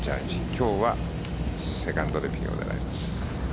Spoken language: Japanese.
今日はセカンドでピンを狙います。